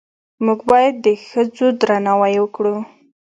موږ باید د ښځو درناوی وکړو